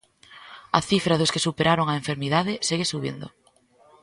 A cifra dos que superaron a enfermidade segue subindo.